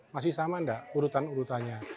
masih sama tidak urutan urutannya